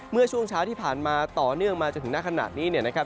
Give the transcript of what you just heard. เมื่อช่วงเช้าที่ผ่านมาต่อเนื่องมาจนถึงหน้าขณะนี้เนี่ยนะครับ